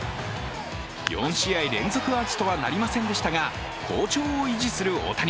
４試合連続アーチとはなりませんでしたが、好調を維持する大谷。